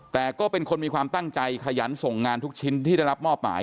แต่ก็เป็นคนมีความตั้งใจขยันส่งงานทุกชิ้นที่ได้รับมอบหมาย